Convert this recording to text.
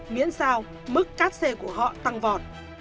miễn sao mức cát xe của họ tăng vọt